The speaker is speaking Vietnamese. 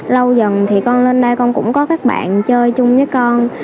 lâu dần thì con lên đây con cũng có các bạn chơi chung với con